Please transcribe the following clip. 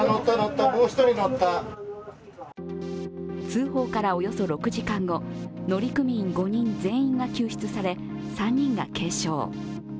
通報からおよそ６時間後、乗組員５人全員が救出され、３人が軽傷。